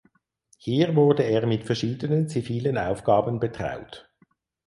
Hier wurde er mit verschiedenen zivilen Aufgaben betraut.